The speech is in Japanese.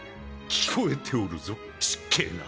聞こえておるぞ失敬な。